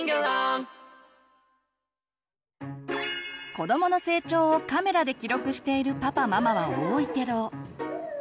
子どもの成長をカメラで記録しているパパママは多いけど。